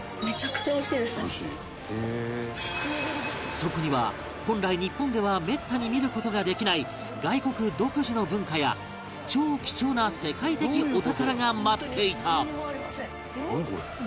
そこには本来日本ではめったに見る事ができない外国独自の文化や超貴重な世界的お宝が待っていた